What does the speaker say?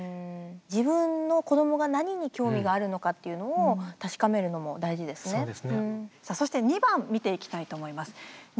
自分の子どもが何に興味があるのかっていうのをそして、２番見ていきたいと思います。